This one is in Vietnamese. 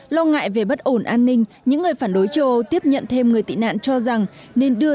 lo ngại về bất ổn an ninh những người phản đối châu âu tiếp nhận thêm người tị nạn cho rằng nên đưa